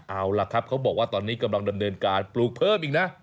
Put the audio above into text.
เอาล่ะครับเขาบอกว่าตอนนี้กำลังดำเนินการปลูกเพิ่มอีกนะ